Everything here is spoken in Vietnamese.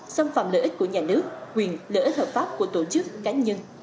xâm phạm lợi ích của nhà nước quyền lợi ích hợp pháp của tổ chức cá nhân